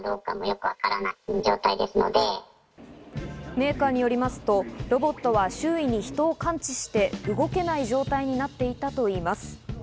メーカーによりますとをロボットは周囲に人を感知して動けない状態になっていたといいます。